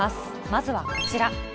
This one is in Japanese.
まずはこちら。